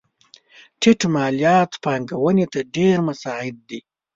ټیټ مالیات پانګونې ته ډېر مساعد دي.